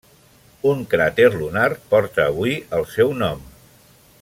Un cràter lunar porta avui el seu nom.